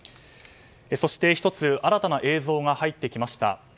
そして、１つ新たな映像が入ってきました。